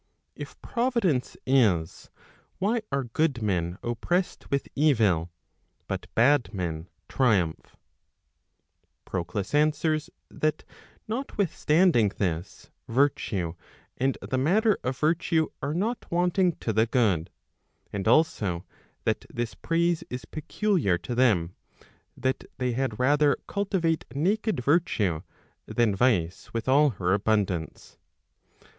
If Providence is, why are good men oppressed with evil, but bad men triumph ? Proclus answers, that notwithstanding this, virtue and the matter of virtue are not wanting to the good ; and also, that this praise is peculiar to them, that they had rather cultivate naked Virtue, than Vice with all her abundance.